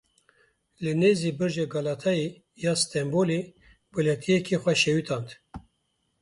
Li nêzî Birca Galatayê ya Stenbolê welatiyekî xwe şewitand.